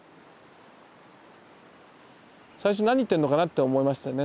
最初何言ってんのかなって思いましたよね